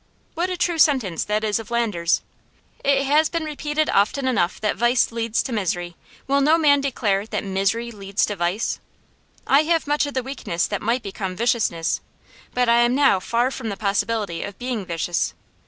What a true sentence that is of Landor's: "It has been repeated often enough that vice leads to misery; will no man declare that misery leads to vice?" I have much of the weakness that might become viciousness, but I am now far from the possibility of being vicious.